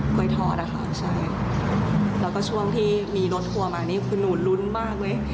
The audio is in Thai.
กล้วยทอดนะคะใช่แล้วก็ช่วงที่มีรถทัวร์มานี่คือหนูลุ้นมากเลย